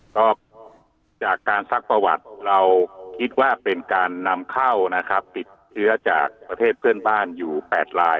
ก็จากการซักประวัติเราคิดว่าเป็นการนำเข้านะครับติดเชื้อจากประเทศเพื่อนบ้านอยู่๘ลาย